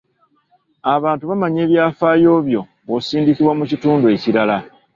Abantu bamanya ebyafaayo byo bw'osindikibwa mu kitundu ekirala.